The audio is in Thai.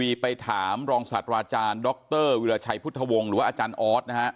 ให้ไปถามรองศาสตราจารย์ด็อกเตอร์วิราชัยพุทธวงหรือว่าอาจารย์ออส